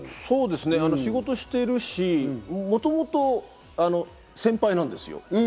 仕事してるし、もともと先輩なんですよ。